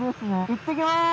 行ってきます！